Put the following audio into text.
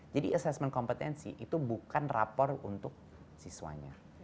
jadi assessment kompetensi itu bukan rapor untuk siswanya